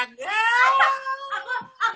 aku maunya cikarang nggak mau lepas